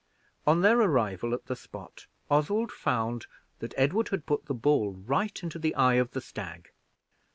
On their arrival at the spot, Oswald found that Edward had put the ball right into the eye of the stag.